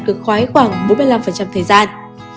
cực khoái khoảng bốn mươi năm thời gian